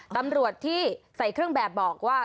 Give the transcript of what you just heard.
ตำรวจที่ใส่เครื่องแบบบอกว่า